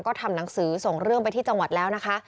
ก็ทำหนังสือส่งเรื่องไปที่จังหวัดแล้วนะคะ